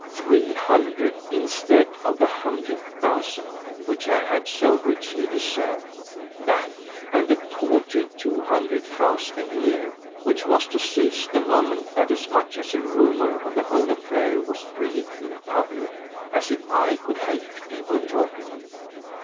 Three hundred instead of the hundred thousand which I had so richly deserved: that, and a paltry two hundred francs a year, which was to cease the moment that as much as a rumour of the whole affair was breathed in public. As if I could help people talking!